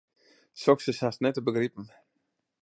Soks is hast net te begripen.